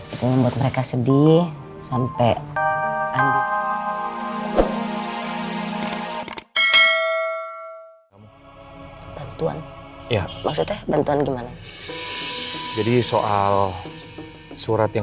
itu membuat mereka sedih sampai ambil bantuan ya maksudnya bantuan gimana jadi soal surat yang